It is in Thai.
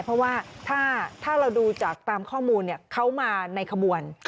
เพราะว่าถ้าเราดูจากตามข้อมูลเขามาในขบวน